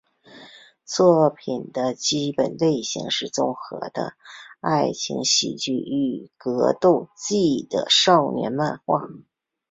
作品的基本类型是综合了爱情喜剧与格斗技的少年漫画。